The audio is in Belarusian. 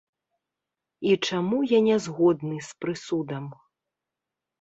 І чаму я не згодны з прысудам.